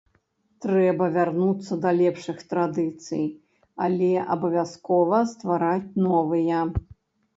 Трэба вярнуцца да лепшых традыцый, але абавязкова ствараць новыя.